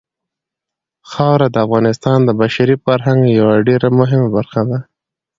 خاوره د افغانستان د بشري فرهنګ یوه ډېره مهمه برخه ده.